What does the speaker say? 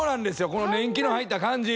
この年季の入った感じ。